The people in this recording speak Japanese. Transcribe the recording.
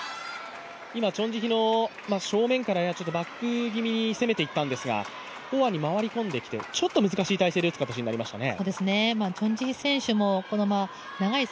今、チョン・ジヒの正面からバック気味に攻めていったんですがフォアに回り込んできてちょっと難しい体勢で打つ形になりましたね。